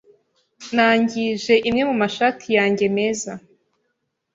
Nangije imwe mu mashati yanjye meza